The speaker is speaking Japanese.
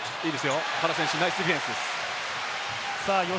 原選手、ナイスディフェンスです。